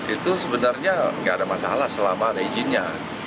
itu sebenarnya nggak ada masalah selama ada izinnya